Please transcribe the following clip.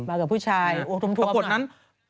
เอียดมากับผู้ชายตัวผลอัพนั้น